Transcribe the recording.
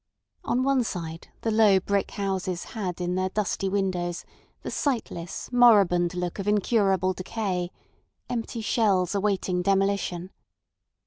On one side the low brick houses had in their dusty windows the sightless, moribund look of incurable decay—empty shells awaiting demolition.